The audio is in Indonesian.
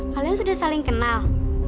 kalian sudah saling kenal